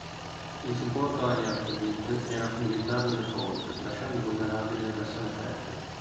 Il supporto a Heartbeat era abilitato di default, lasciando vulnerabili le versioni affette.